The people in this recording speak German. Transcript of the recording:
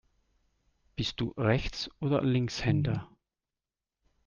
Bist du Rechts- oder Linkshänder?